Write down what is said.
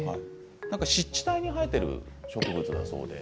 湿地帯に生えている植物だそうです。